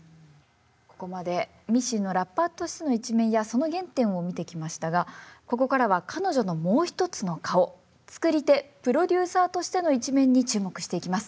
ここまでミッシーのラッパーとしての一面やその原点を見てきましたがここからは彼女のもう一つの顔作り手プロデューサーとしての一面に注目していきます。